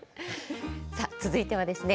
さあ続いてはですね